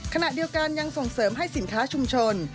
ขณะเดียวกันยังส่งเสริมให้สินค้าชุมชน